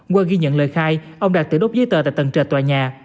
qua ghi nhận lời khai ông đạt tự đốt giấy tờ tại tầng trệt tòa nhà